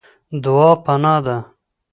دعا پناه ده.